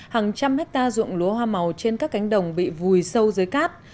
hàng trăm hectare dụng lúa hoa màu trên các cánh đồng bị vùi sâu dưới cát